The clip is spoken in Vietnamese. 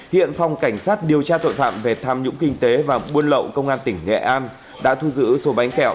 hiện phòng cảnh sát điều tra tội phạm về tham nhũng kinh tế và buôn lậu công an tỉnh nghệ an đã thu giữ số bánh kẹo